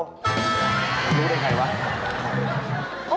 รู้ใจไหมวะ